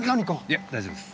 いや大丈夫です。